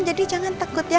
jadi jangan takut ya